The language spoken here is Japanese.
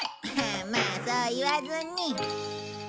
まあそう言わずに。